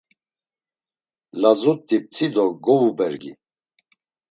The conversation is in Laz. Lazut̆i p̌tzi do govubergi.